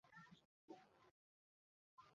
মৃত মেয়ের ভিডিও মানুষ কিভাবে উপভোগ করছে দেখেছিস?